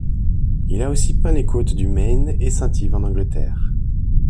Il a aussi peint les côtes du Maine et Saint-Yves en Angleterre.